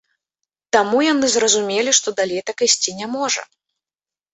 Таму яны зразумелі, што далей так ісці не можа.